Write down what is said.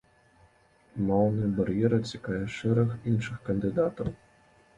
Моўны бар'ер адсякае шэраг іншых кандыдатаў.